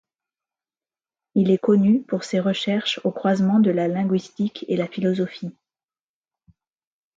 Il est connu pour ses recherches au croisement de la linguistique et la philosophie.